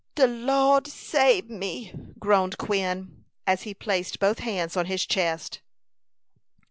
"De Lo'd sabe me!" groaned Quin, as he placed both hands on his chest.